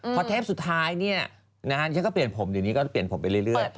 พอเทปสุดท้ายเนี่ยฉันก็เปลี่ยนผมเดี๋ยวนี้ก็เปลี่ยนผมไปเรื่อย